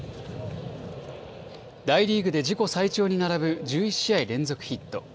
大リーグで自己最長に並ぶ１１試合連続ヒット。